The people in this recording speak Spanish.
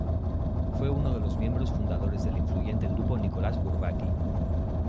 Fue uno de los miembros fundadores del influyente grupo "Nicolás Bourbaki".